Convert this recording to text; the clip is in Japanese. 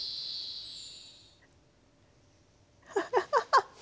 ハハハハッ。